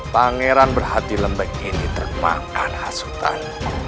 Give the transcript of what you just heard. pangeran berhati lembek ini termakan hasutan